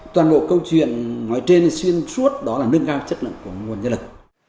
toàn bộ câu chuyện nói trên xuyên suốt đó là nâng cao chất lượng của nguồn nhân lực